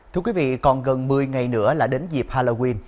thưa quý vị còn gần một mươi ngày nữa là đến dịp halloween